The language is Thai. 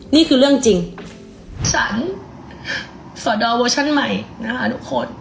นี่คือเรื่องจริงฉันสดอเวอร์ชั่นใหม่นะคะทุกคน